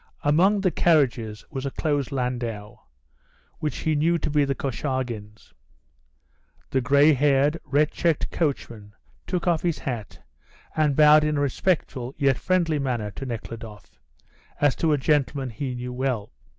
Among the carriages was a closed landau, which he knew to be the Korchagins'. The grey haired, red checked coachman took off his hat and bowed in a respectful yet friendly manner to Nekhludoff, as to a gentleman he knew well.